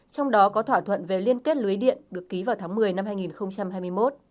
trong đó có thỏa thuận về liên kết lưới điện được ký vào tháng một mươi năm hai nghìn hai mươi một